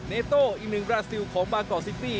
เนโต้อีกหนึ่งกราศิลป์ของบากอดซิตี้